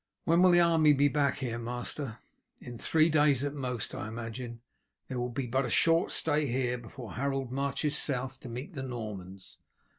"When will the army be back here, master?" "In three days at most, I imagine. There will be but short stay here before Harold marches south to meet the Normans.